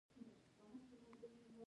برجستګي د فاړسي ژبي ټکی دﺉ.